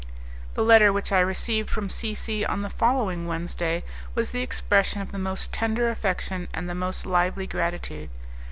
The letter which I received from C C , on the following Wednesday, was the expression of the most tender affection and the most lively gratitude.